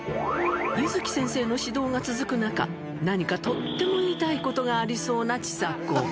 ゆづき先生の指導が続く中、何かとっても言いたいことがありそうなちさ子。